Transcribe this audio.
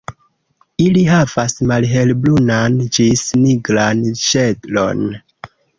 Ili havas malhelbrunan ĝis nigran ŝelon.